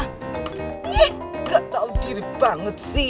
eh gak tau diri banget sih